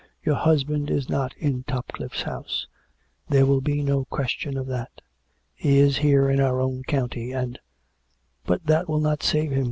" Your husband is not in Topcliffe's house. There will be no question of that. He is here in his own county, and "" But that will not save him